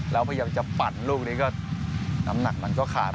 แล้วพยายามจะปั่นลูกนี้ก็น้ำหนักมันก็ขาด